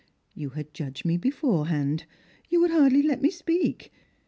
You had judged me beforehand. You would iiardly let me speak.